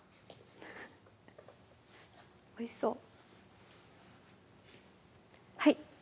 おいしそう！